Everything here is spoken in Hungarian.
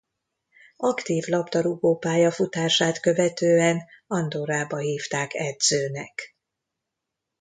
Aktív labdarúgó pályafutását követően Andorrába hívták edzőnek.